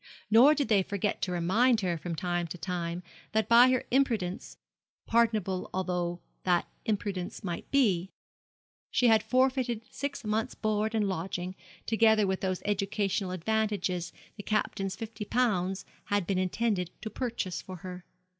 Nor did they forget to remind her from time to time that by her imprudence pardonable although that imprudence might be she had forfeited six months' board and lodging, together with those educational advantages the Captain's fifty pounds had been intended to purchase for her.